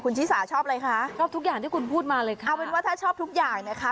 ชิสาชอบอะไรคะชอบทุกอย่างที่คุณพูดมาเลยค่ะเอาเป็นว่าถ้าชอบทุกอย่างนะคะ